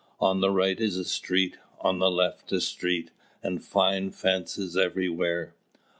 On the right is a street, on the left a street, and fine fences everywhere.